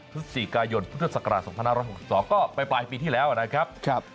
พฤศจิกายนพุทธศักราช๒๕๖๒ก็ไปปลายปีที่แล้วนะครับ